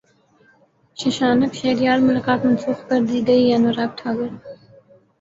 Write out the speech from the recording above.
ششانک شہریار ملاقات منسوخ کردی گئیانوراگ ٹھاکر